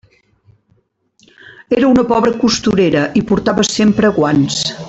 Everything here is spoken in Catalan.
Era una pobra costurera i portava sempre guants.